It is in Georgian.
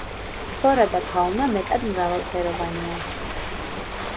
ფლორა და ფაუნა მეტად მრავალფეროვანია.